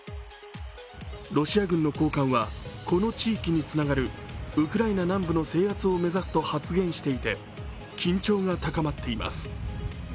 ロシア軍の高官は、この地域につながるウクライナ南部の制圧を目指すと発言していて緊張が高まっています。